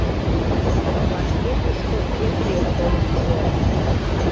Вашке тушко Епрем толын шуо.